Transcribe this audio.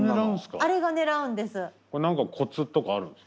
あれが狙うんです。